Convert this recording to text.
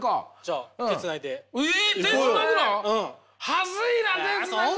恥ずいな手をつなぐの。